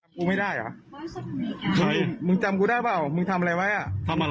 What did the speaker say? นี่อะนี่ไงแหมเนี่ยเห